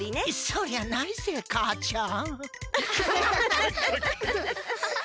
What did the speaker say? そりゃないぜかあちゃん！